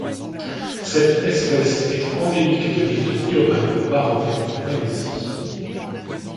Cette espèce est endémique de l'île de Tioman au Pahang en Malaisie.